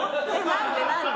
何で？